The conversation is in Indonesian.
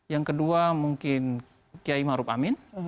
yang kedua mungkin kiai maruf amin